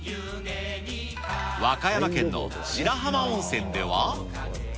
和歌山県の白浜温泉では。